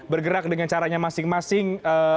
bergerak dengan caranya masing masing